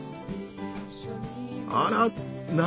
あら何？